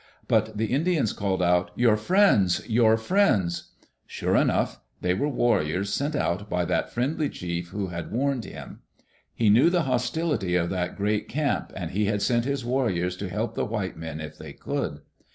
But the Indians called out, "Your friends 1 Your friends !'• Sure enough 1 They were warriors sent out by that friendly chief who had warned him. He knew the hos tility of that great camp and he had sent his warriors to help the white men if they could.